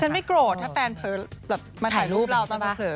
คุณโกรธไหมนะผมไม่โกรธถ้าแฟนเผลอมาถ่ายรูปเราต้องเผลอ